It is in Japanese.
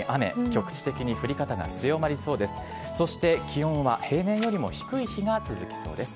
局地的に降り方が強まりそうです。